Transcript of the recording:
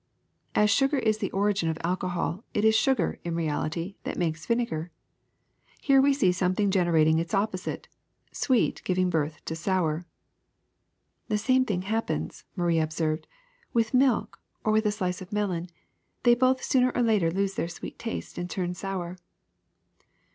As sugar is the origin of alcohol, it is sugar, in reality, that makes vinegar. Here we see something generating its opposite, sweet giving birth to sour.'' ^'The same thing happens," Marie observed, *^ with milk or with a slice of melon : they both sooner or later lose their sweet taste and turn sour.